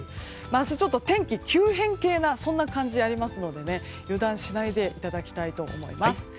明日、ちょっと天気急変系な感じがありますので油断しないでいただきたいと思います。